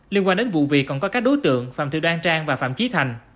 liên quan đến vụ việc còn có các đối tượng phạm thị đoan trang và phạm chí thành